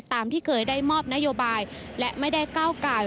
ที่เคยได้มอบนโยบายและไม่ได้ก้าวกาย